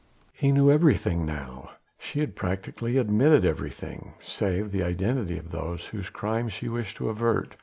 He knew everything now: she had practically admitted everything save the identity of those whose crime she wished to avert.